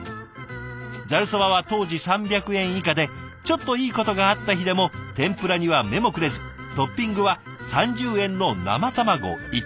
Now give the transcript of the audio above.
ざるそばは当時３００円以下でちょっといいことがあった日でも天ぷらには目もくれずトッピングは３０円の生卵一択。